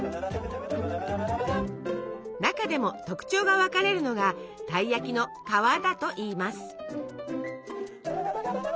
中でも特徴が分かれるのがたい焼きの「皮」だといいます。